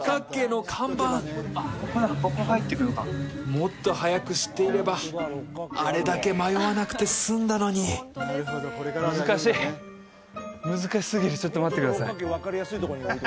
もっと早く知っていればあれだけ迷わなくて済んだのに難しい難しすぎるちょっと待ってください